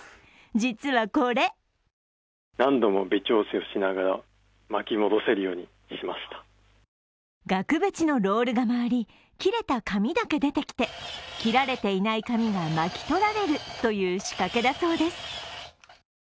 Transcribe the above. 実はこれ額縁のロールが回り、切れた紙だけ出てきて切られていない紙が巻き取られるという仕掛けだそうです。